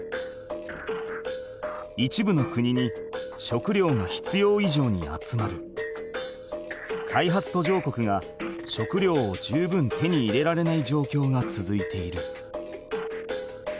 一部の国に食料が必要いじょうに集まり開発途上国が食料を十分手に入れられないじょうきょうがつづいている。